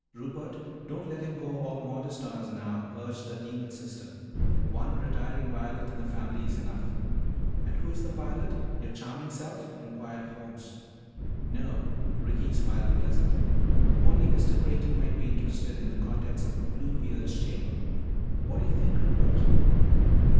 "Rupert, don't let him go all modest on us now," urged the demon sister. "One retiring violet in the family is enough." "And who is the violet? Your charming self?" inquired Holmes. "No." Ricky smiled pleasantly. "Only Mr. Creighton might be interested in the contents of Bluebeard's Chamber. What do you think, Rupert?"